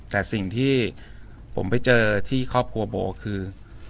แต่สิ่งที่ผมไปเจอที่ครอบครัวโบคือ